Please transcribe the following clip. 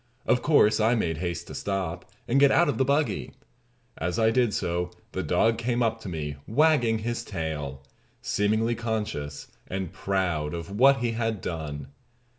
Of course, I made haste to stop, and get out of the buggy. As I did so the dog came up to me wagging his tail, seemingly conscious and proud of what he had done.